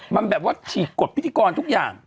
มันแบบว่าฉีกกฎพิธีกรทุกอย่าง